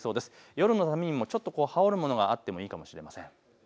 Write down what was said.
夜のためにもちょっと羽織るものがあってもいいかもしれません。